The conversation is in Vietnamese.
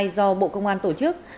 do bộ công an tổ chức